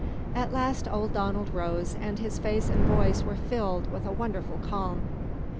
At last old Donald rose, and his face and voice were filled with a wonderful calm.